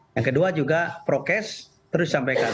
yang kedua juga prokes terus disampaikan